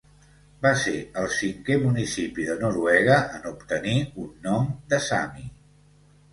Va ser el cinquè municipi de Noruega en obtenir un nom de Sami.